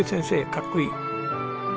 かっこいい！